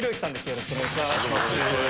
よろしくお願いします。